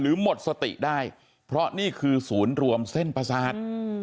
หมดสติได้เพราะนี่คือศูนย์รวมเส้นประสาท